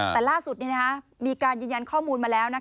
แต่ล่าสุดมีการยืนยันข้อมูลมาแล้ว